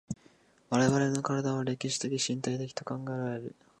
我々の身体は歴史的身体的と考えられる。